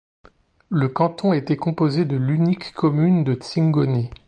Le canton était composé de l'unique commune de Tsingoni.